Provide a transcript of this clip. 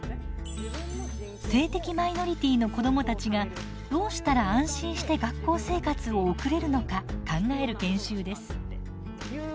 性的マイノリティーの子どもたちがどうしたら安心して学校生活を送れるのか考える研修です。